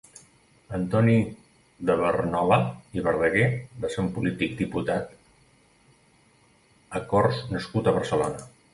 Antoni de Barnola i Verdaguer va ser un polític diputat a Corts nascut a Barcelona.